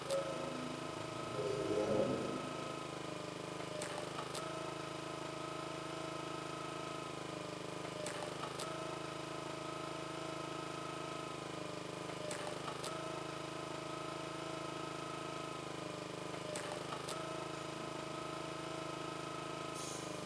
Park está casado con Jae Suh Park y tienen una hija juntos.